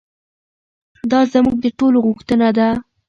دا زموږ د ټولو غوښتنه ده.